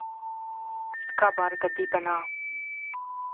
Skabarga dibenā.